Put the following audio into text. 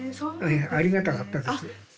ええありがたかったです。